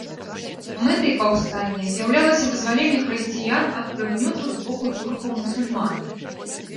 Мэтай паўстання з'яўлялася вызваленне хрысціян ад прыгнёту з боку туркаў-мусульман.